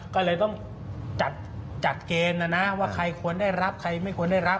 ก็เลยต้องจัดเกณฑ์นะนะว่าใครควรได้รับใครไม่ควรได้รับ